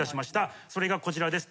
それがこちらです。